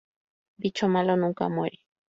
Bicho malo nunca muere